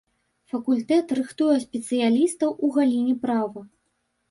Факультэт рыхтуе спецыялістаў у галіне права.